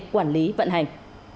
quản lý vận hành